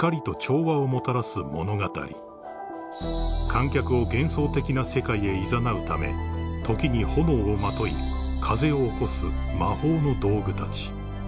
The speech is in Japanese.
［観客を幻想的な世界へいざなうため時に炎をまとい風を起こす魔法の道具たち］